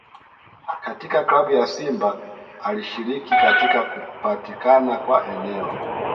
Katika Klabu ya Simba alishiriki katika kupatikana kwa eneo